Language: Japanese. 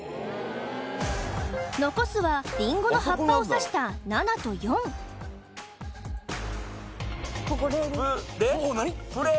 残すはリンゴの葉っぱをさした７と４ここレですレ？